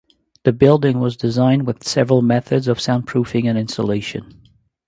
The building was designed with several methods of soundproofing and insulation.